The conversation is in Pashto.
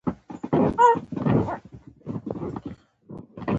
دخپل کلتور يو داسې خوند ناک اړخ متنازعه کول